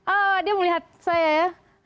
ah dia melihat saya ya